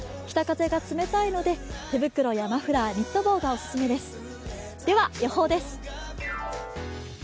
北風が冷たいので手袋やマフラー、ニット帽がお勧めです。